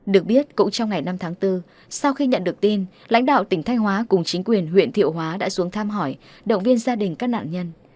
được biết cũng trong ngày năm tháng bốn sau khi nhận được tin lãnh đạo tỉnh thanh hóa cùng chính quyền huyện thiệu hóa đã xuống thăm hỏi động viên gia đình các nạn nhân